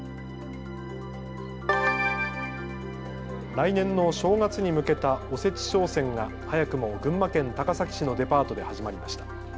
来年の正月に向けたおせち商戦が早くも群馬県高崎市のデパートで始まりました。